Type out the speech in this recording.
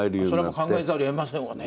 それはもう考えざるをえませんわね。